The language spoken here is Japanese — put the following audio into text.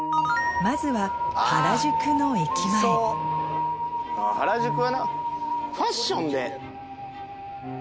まずは原宿の駅前原宿はファッションで。